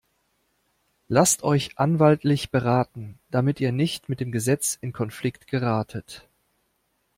Lasst euch anwaltlich beraten, damit ihr nicht mit dem Gesetz in Konflikt geratet.